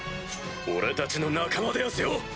俺たちの仲間でやすよ。